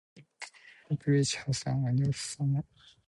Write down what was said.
The village has an annual summer fete called the Scotton Feast.